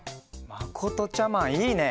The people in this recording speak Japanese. まことちゃマンいいね！